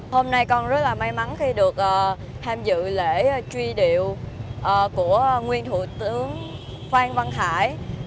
hôm nay con rất là may mắn khi được tham dự lễ truy điệu của nguyên thủ tướng phan văn hải